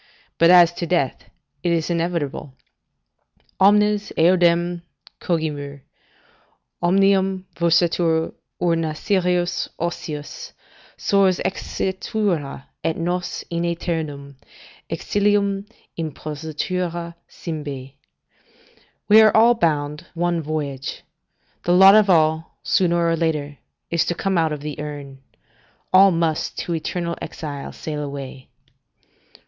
But as to death, it is inevitable: "Omnes eodem cogimur; omnium Versatur urna serius ocius Sors exitura, et nos in aeternum Exilium impositura cymbae." ["We are all bound one voyage; the lot of all, sooner or later, is to come out of the urn. All must to eternal exile sail away."